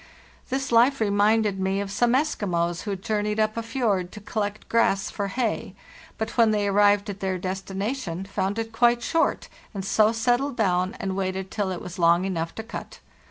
This life reminded me of some Eskimos who journeyed up a fjord to collect grass for hay; but when they arrived at their destination found it quite short, and so settled down and waited till it was long enough to cut.